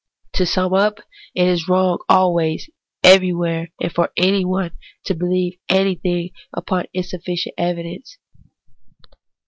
To sum up : it is wrong always, everywhere, and for anyone, to believe anything upon insufficient evi dence.